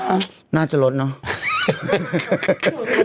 อ่าน่าจะรดเนาะ